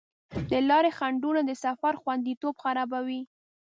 د لارې خنډونه د سفر خوندیتوب خرابوي.